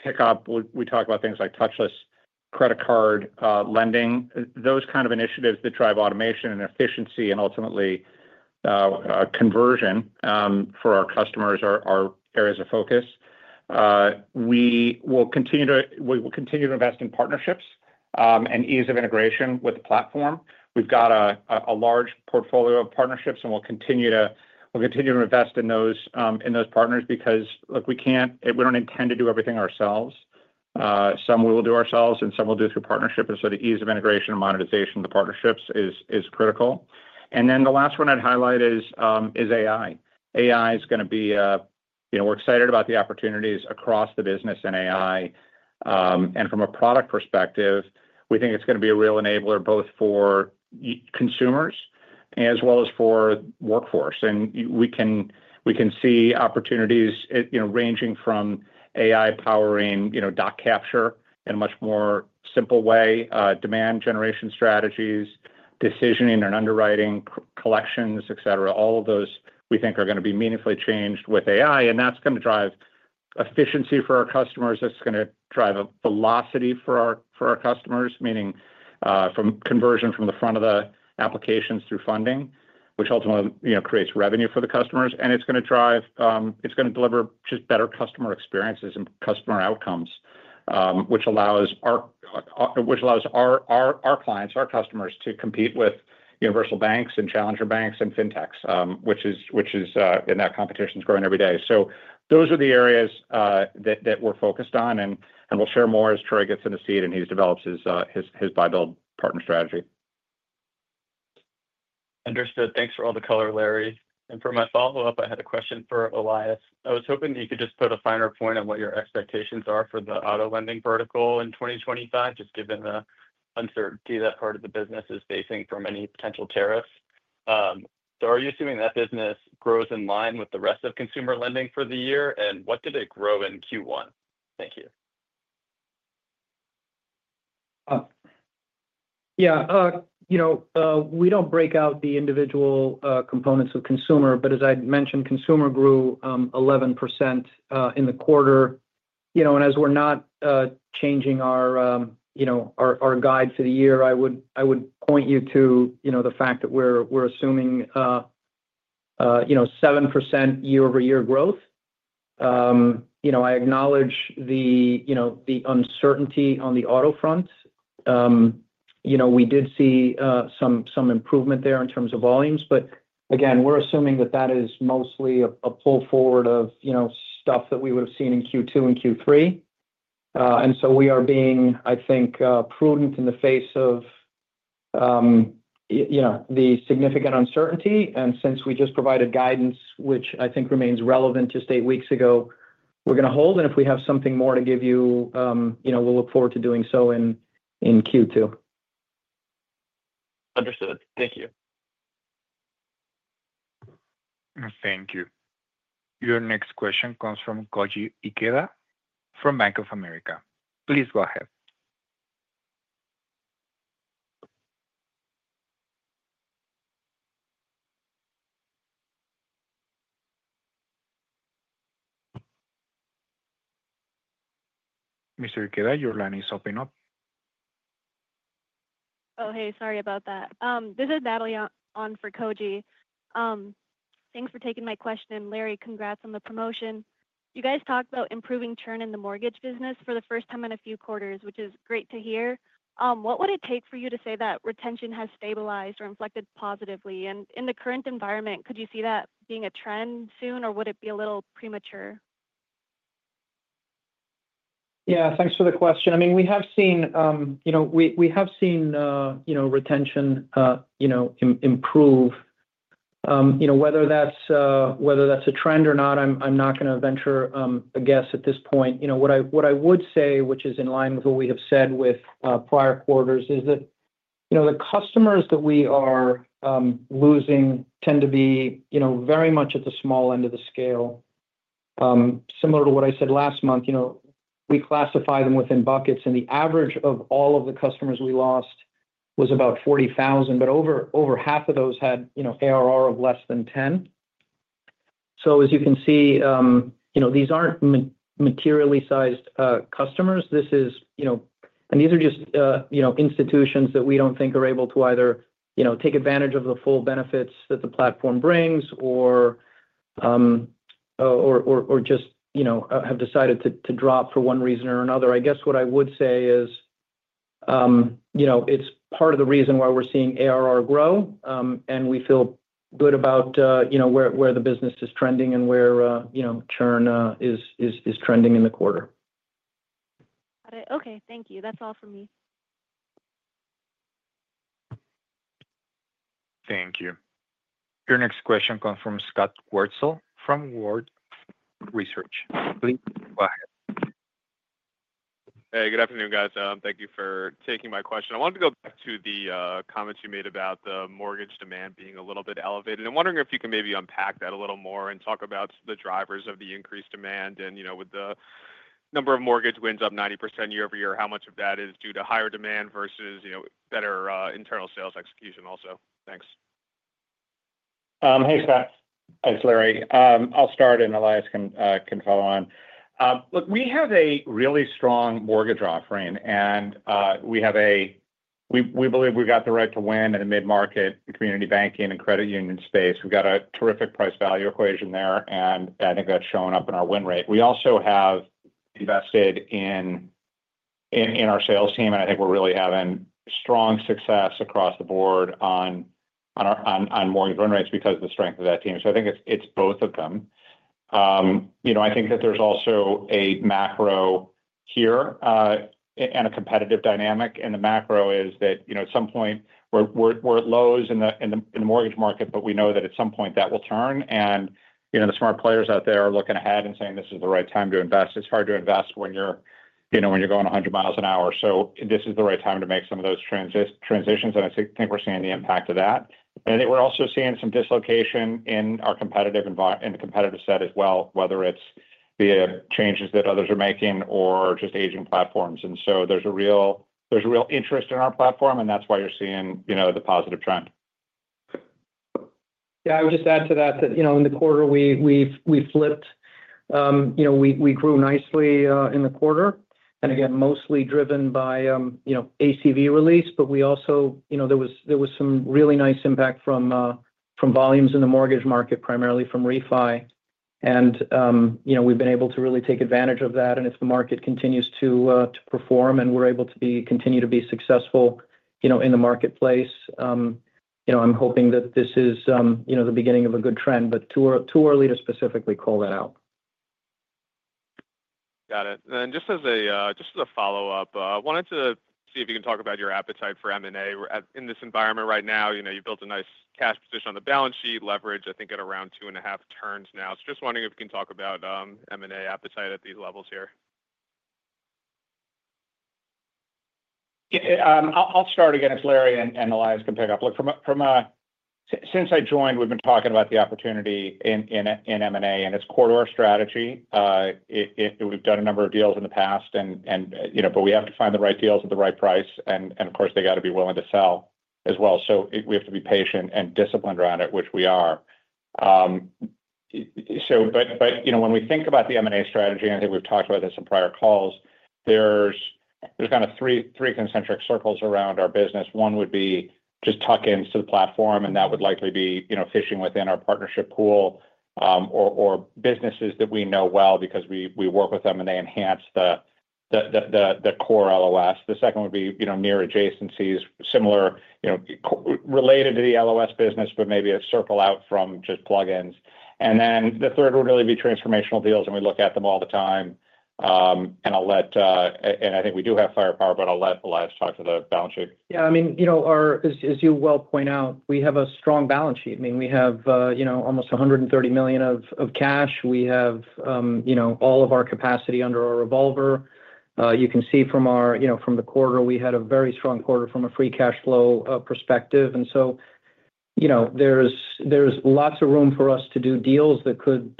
Pickup, we talked about things like touchless credit card lending. Those kind of initiatives that drive automation and efficiency and ultimately conversion for our customers are areas of focus. We will continue to invest in partnerships and ease of integration with the platform. We've got a large portfolio of partnerships, and we'll continue to invest in those partners because, look, we don't intend to do everything ourselves. Some we will do ourselves, and some we'll do through partnership. The ease of integration and monetization of the partnerships is critical. The last one I'd highlight is AI. AI is going to be—we're excited about the opportunities across the business in AI. From a product perspective, we think it's going to be a real enabler both for consumers as well as for workforce. We can see opportunities ranging from AI powering doc capture in a much more simple way, demand generation strategies, decisioning and underwriting, collections, etc. All of those we think are going to be meaningfully changed with AI. That's going to drive efficiency for our customers. It's going to drive velocity for our customers, meaning from conversion from the front of the applications through funding, which ultimately creates revenue for the customers. It's going to deliver just better customer experiences and customer outcomes, which allows our clients, our customers, to compete with universal banks and challenger banks and fintechs, which is—and that competition is growing every day. Those are the areas that we're focused on. We'll share more as Troy gets in the seat and he develops his buy-build partner strategy. Understood. Thanks for all the color, Larry. For my follow-up, I had a question for Elias. I was hoping you could just put a finer point on what your expectations are for the auto lending vertical in 2025, just given the uncertainty that part of the business is facing from any potential tariffs. Are you assuming that business grows in line with the rest of consumer lending for the year? And what did it grow in Q1? Thank you. Yeah. We do not break out the individual components of consumer. As I mentioned, consumer grew 11% in the quarter. As we are not changing our guide for the year, I would point you to the fact that we are assuming 7% year-over-year growth. I acknowledge the uncertainty on the auto front. We did see some improvement there in terms of volumes. Again, we are assuming that that is mostly a pull forward of stuff that we would have seen in Q2 and Q3. We are being, I think, prudent in the face of the significant uncertainty. Since we just provided guidance, which I think remains relevant just eight weeks ago, we are going to hold. And if we have something more to give you, we'll look forward to doing so in Q2. Understood. Thank you. Thank you. Your next question comes from Koji Ikeda from Bank of America. Please go ahead. Mr. Ikeda, your line is open. Oh, hey. Sorry about that. This is Natalie on for Koji. Thanks for taking my question. Larry, congrats on the promotion. You guys talked about improving churn in the mortgage business for the first time in a few quarters, which is great to hear. What would it take for you to say that retention has stabilized or inflected positively? In the current environment, could you see that being a trend soon, or would it be a little premature? Yeah. Thanks for the question. I mean, we have seen—we have seen retention improve. Whether that's a trend or not, I'm not going to venture a guess at this point. What I would say, which is in line with what we have said with prior quarters, is that the customers that we are losing tend to be very much at the small end of the scale. Similar to what I said last month, we classify them within buckets. The average of all of the customers we lost was about $40,000. Over half of those had ARR of less than $10,000. As you can see, these aren't materially sized customers. These are just institutions that we don't think are able to either take advantage of the full benefits that the platform brings or just have decided to drop for one reason or another. I guess what I would say is it's part of the reason why we're seeing ARR grow. And we feel good about where the business is trending and where churn is trending in the quarter. Got it. Okay. Thank you. That's all for me. Thank you. Your next question comes from Scott Wurtzel from Wolfe Research. Please go ahead. Hey, good afternoon, guys. Thank you for taking my question. I wanted to go back to the comments you made about the mortgage demand being a little bit elevated. I'm wondering if you can maybe unpack that a little more and talk about the drivers of the increased demand. And with the number of mortgage wins up 90% year-over-year, how much of that is due to higher demand versus better internal sales execution also? Thanks. Hey, Scott. Thanks, Larry. I'll start, and Elias can follow on. Look, we have a really strong mortgage offering. We believe we've got the right to win in the mid-market, community banking, and credit union space. We've got a terrific price-value equation there. I think that's showing up in our win rate. We also have invested in our sales team. I think we're really having strong success across the board on mortgage win rates because of the strength of that team. I think it's both of them. I think that there's also a macro here and a competitive dynamic. The macro is that at some point, we're at lows in the mortgage market, but we know that at some point that will turn. The smart players out there are looking ahead and saying, "This is the right time to invest. It's hard to invest when you're going 100 miles an hour. This is the right time to make some of those transitions. I think we're seeing the impact of that. I think we're also seeing some dislocation in the competitive set as well, whether it's via changes that others are making or just aging platforms. There is a real interest in our platform, and that's why you're seeing the positive trend. Yeah. I would just add to that that in the quarter, we flipped. We grew nicely in the quarter. Again, mostly driven by ACV release. We also—there was some really nice impact from volumes in the mortgage market, primarily from refi. We've been able to really take advantage of that. If the market continues to perform and we're able to continue to be successful in the marketplace, I'm hoping that this is the beginning of a good trend. To our leaders specifically, call that out. Got it. Just as a follow-up, I wanted to see if you can talk about your appetite for M&A in this environment right now. You built a nice cash position on the balance sheet, leverage, I think, at around two and a half turns now. Just wondering if you can talk about M&A appetite at these levels here. I'll start again as Larry and Elias can pick up. Look, since I joined, we've been talking about the opportunity in M&A and its core strategy. We've done a number of deals in the past. We have to find the right deals at the right price. Of course, they got to be willing to sell as well. We have to be patient and disciplined around it, which we are. When we think about the M&A strategy, and I think we've talked about this in prior calls, there are kind of three concentric circles around our business. One would be just tuck-ins to the platform. That would likely be fishing within our partnership pool or businesses that we know well because we work with them and they enhance the core LOS. The second would be near adjacencies, similar, related to the LOS business, but maybe a circle out from just plug-ins. The third would really be transformational deals. We look at them all the time. I think we do have firepower, but I'll let Elias talk to the balance sheet. Yeah, I mean, as you well point out, we have a strong balance sheet. I mean, we have almost $130 million of cash. We have all of our capacity under our revolver. You can see from the quarter, we had a very strong quarter from a free cash flow perspective. There is lots of room for us to do deals that could,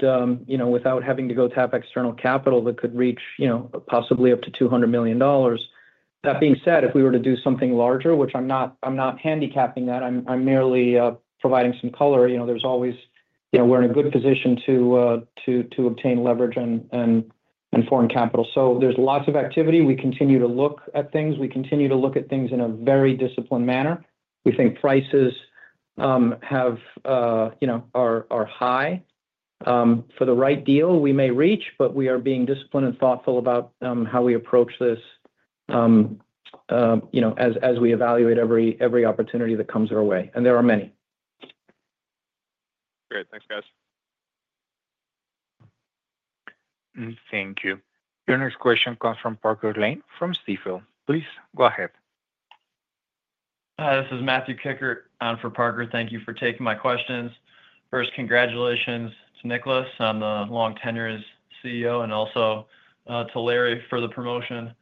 without having to go tap external capital, reach possibly up to $200 million. That being said, if we were to do something larger, which I am not handicapping, I am merely providing some color, we are in a good position to obtain leverage and foreign capital. There is lots of activity. We continue to look at things. We continue to look at things in a very disciplined manner. We think prices are high; for the right deal we may reach, but we are being disciplined and thoughtful about how we approach this as we evaluate every opportunity that comes our way. There are many. Great. Thanks, guys. Thank you. Your next question comes from Parker Lane from Stifel. Please go ahead. Hi. This is Matthew Kikkert for Parker. Thank you for taking my questions. First, congratulations to Nicolaas on the long tenure as CEO and also to Larry for the promotion.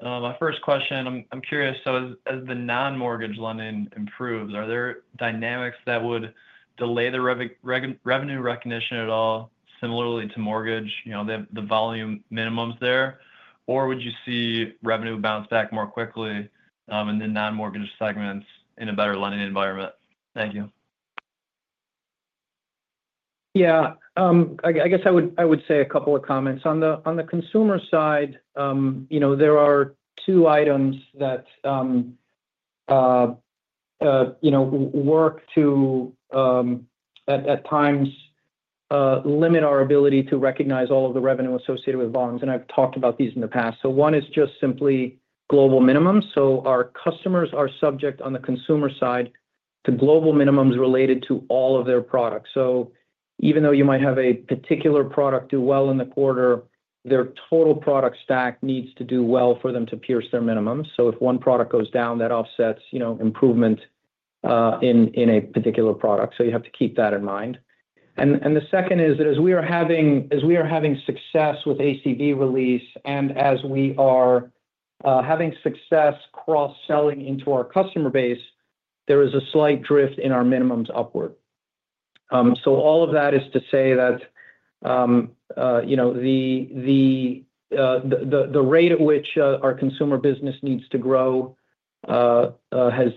My first question, I'm curious, so as the non-mortgage lending improves, are there dynamics that would delay the revenue recognition at all, similarly to mortgage, the volume minimums there? Or would you see revenue bounce back more quickly in the non-mortgage segments in a better lending environment? Thank you. Yeah. I guess I would say a couple of comments. On the consumer side, there are two items that work to, at times, limit our ability to recognize all of the revenue associated with volumes. And I've talked about these in the past. So one is just simply global minimums. Our customers are subject on the consumer side to global minimums related to all of their products. Even though you might have a particular product do well in the quarter, their total product stack needs to do well for them to pierce their minimums. If one product goes down, that offsets improvement in a particular product. You have to keep that in mind. The second is that as we are having success with ACV release and as we are having success cross-selling into our customer base, there is a slight drift in our minimums upward. All of that is to say that the rate at which our consumer business needs to grow has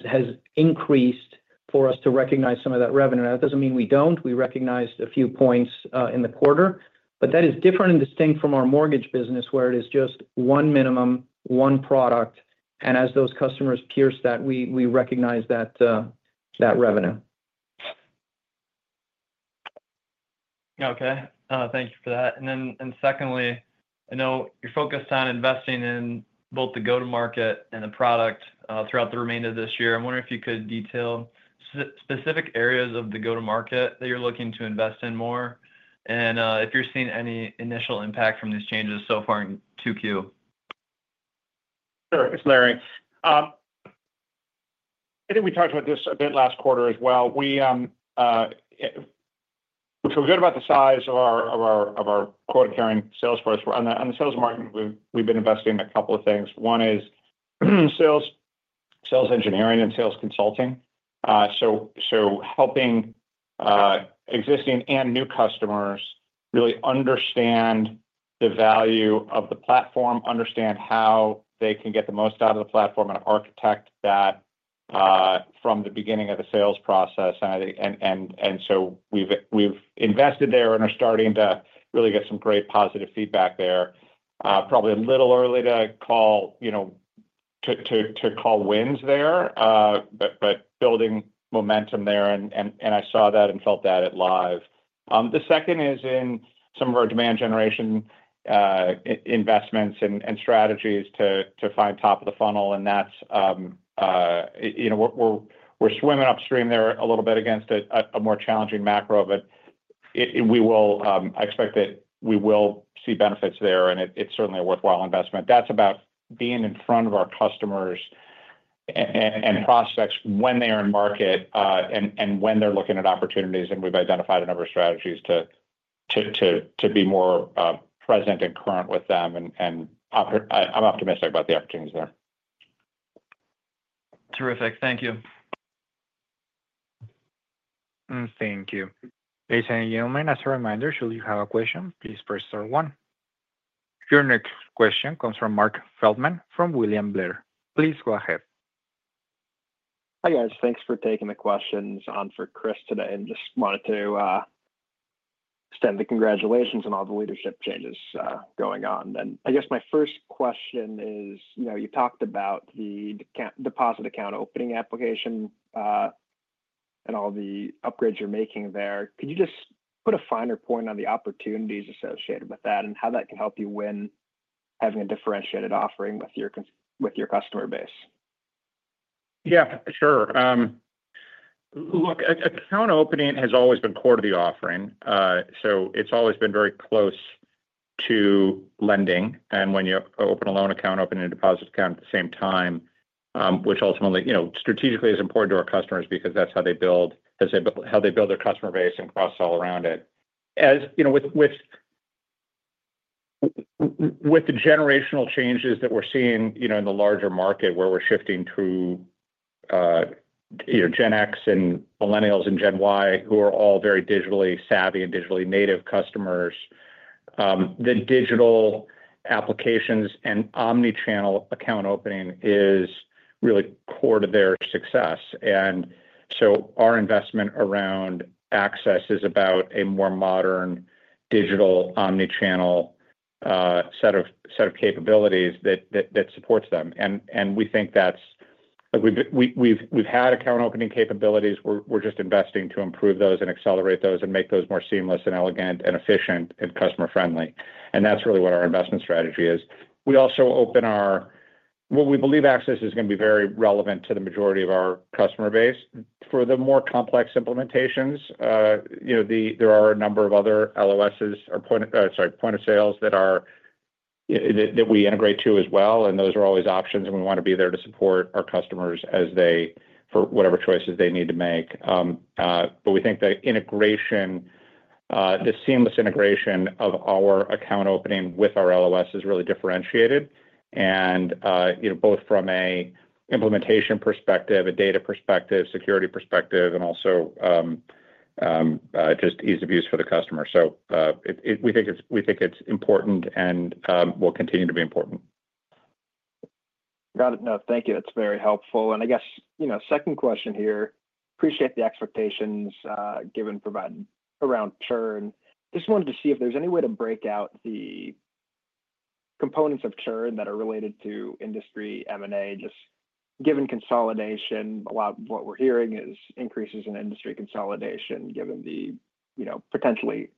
increased for us to recognize some of that revenue. That does not mean we do not. We recognized a few points in the quarter. But that is different and distinct from our mortgage business where it is just one minimum, one product. As those customers pierce that, we recognize that revenue. Okay. Thank you for that. Then secondly, I know you're focused on investing in both the go-to-market and the product throughout the remainder of this year. I'm wondering if you could detail specific areas of the go-to-market that you're looking to invest in more and if you're seeing any initial impact from these changes so far in Q2. Sure. Thanks, Larry. I think we talked about this a bit last quarter as well. We've got about the size of our quota-carrying sales force. On the sales market, we've been investing in a couple of things. One is sales engineering and sales consulting. Helping existing and new customers really understand the value of the platform, understand how they can get the most out of the platform, and architect that from the beginning of the sales process. We have invested there and are starting to really get some great positive feedback there. It is probably a little early to call wins there, but building momentum there. I saw that and felt that at LIVE. The second is in some of our demand generation investments and strategies to find top of the funnel. We are swimming upstream there a little bit against a more challenging macro. I expect that we will see benefits there. It is certainly a worthwhile investment. That is about being in front of our customers and prospects when they are in market and when they are looking at opportunities. We have identified a number of strategies to be more present and current with them. I am optimistic about the opportunities there. Terrific. Thank you. Thank you. Ladies and gentlemen, may I ask a reminder? Should you have a question, please press star one. Your next question comes from Marc Feldman from William Blair. Please go ahead. Hi, guys. Thanks for taking the questions on for Chris today. I just wanted to extend the congratulations on all the leadership changes going on. I guess my first question is, you talked about the deposit account opening application and all the upgrades you are making there. Could you just put a finer point on the opportunities associated with that and how that can help you win having a differentiated offering with your customer base? Yeah. Sure. Look, account opening has always been core to the offering. It has always been very close to lending. When you open a loan account, open a deposit account at the same time, which ultimately, strategically, is important to our customers because that's how they build their customer base and cross all around it. With the generational changes that we're seeing in the larger market where we're shifting to Gen X and Millennials and Gen Y, who are all very digitally savvy and digitally native customers, the digital applications and omnichannel account opening is really core to their success. Our investment around Access is about a more modern digital omnichannel set of capabilities that supports them. We think that we've had account opening capabilities. We're just investing to improve those and accelerate those and make those more seamless and elegant and efficient and customer-friendly. That's really what our investment strategy is. We also open our—well, we believe Access is going to be very relevant to the majority of our customer base for the more complex implementations. There are a number of other LOSs or, sorry, point of sales that we integrate to as well. Those are always options. We want to be there to support our customers for whatever choices they need to make. We think that integration, the seamless integration of our account opening with our LOS is really differentiated. Both from an implementation perspective, a data perspective, security perspective, and also just ease of use for the customer. We think it's important and will continue to be important. Got it. No. Thank you. That's very helpful. I guess second question here, appreciate the expectations given around churn. Just wanted to see if there's any way to break out the components of churn that are related to industry M&A, just given consolidation. A lot of what we're hearing is increases in industry consolidation given the potentially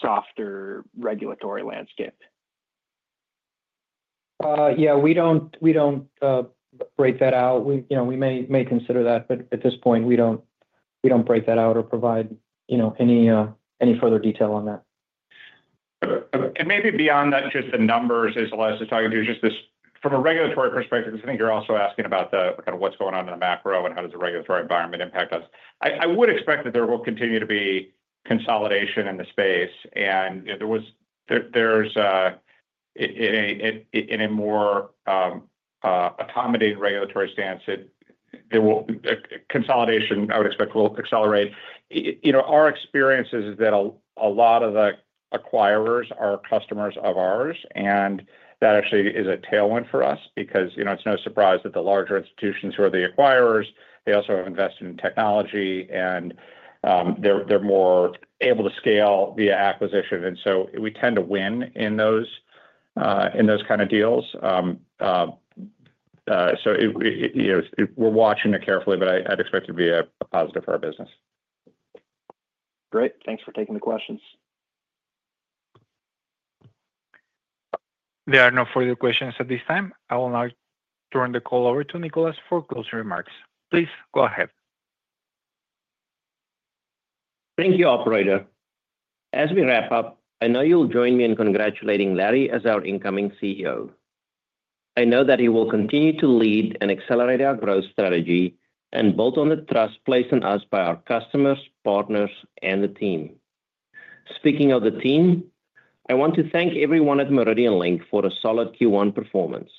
softer regulatory landscape. Yeah. We don't break that out. We may consider that. At this point, we don't break that out or provide any further detail on that. Maybe beyond just the numbers, as Elias is talking to you, just from a regulatory perspective, because I think you're also asking about kind of what's going on in the macro and how does the regulatory environment impact us. I would expect that there will continue to be consolidation in the space. There is a more accommodating regulatory stance that consolidation, I would expect, will accelerate. Our experience is that a lot of the acquirers are customers of ours. That actually is a tailwind for us because it's no surprise that the larger institutions who are the acquirers, they also have invested in technology. They're more able to scale via acquisition. We tend to win in those kind of deals. We're watching it carefully, but I'd expect it to be a positive for our business. Great. Thanks for taking the questions. There are no further questions at this time. I will now turn the call over to Nicolaas for closing remarks. Please go ahead. Thank you, Operator. As we wrap up, I know you'll join me in congratulating Larry as our incoming CEO. I know that he will continue to lead and accelerate our growth strategy and build on the trust placed in us by our customers, partners, and the team. Speaking of the team, I want to thank everyone at MeridianLink for a solid Q1 performance.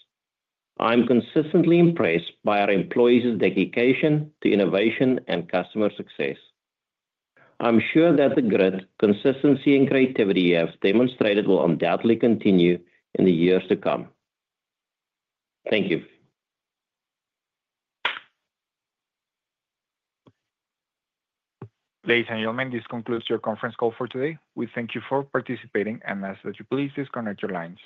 I'm consistently impressed by our employees' dedication to innovation and customer success. I'm sure that the grit, consistency, and creativity you have demonstrated will undoubtedly continue in the years to come. Thank you. Ladies and gentlemen this concludes your conference call for today. We thank you for participating. As you please, disconnect your lines.